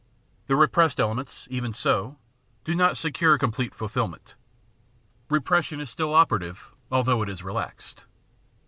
The repressed elements, even so, do not secure complete fulfilment. Repression is still operative, although it is relaxed.